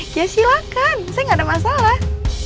ya silakan saya gak ada masalah